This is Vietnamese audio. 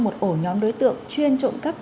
một ổ nhóm đối tượng chuyên trộm cấp